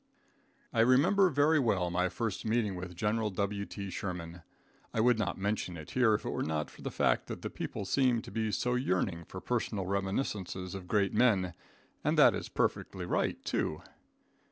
I remember very well my first meeting with General W.T. Sherman. I would not mention it here if it were not for the fact that the people seem so be yearning for personal reminiscences of great men, and that is perfectly right, too.